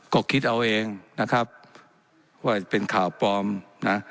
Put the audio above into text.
ก็คิดเอาเองนะครับว่าเป็นข่าวปลอมนะ